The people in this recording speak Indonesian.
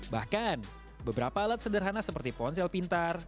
bahkan beberapa alat sederhana seperti ponsel pintar